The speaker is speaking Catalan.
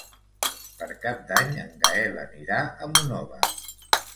Per Cap d'Any en Gaël anirà a Monòver.